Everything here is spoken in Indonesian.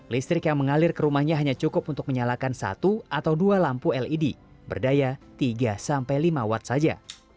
listrik yang mengalir ke rumahnya hanya cukup untuk menyalakan satu atau dua lampu led berdaya tiga sampai lima watt saja